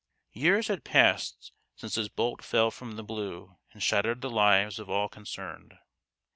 Years had passed since this bolt fell from the blue and shattered the lives of all con cerned.